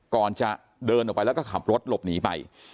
ก่อนจะเดินออกไปแล้วก็ขับรถหลบหนีไป